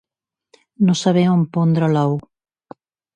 No saber on pondre l'ou.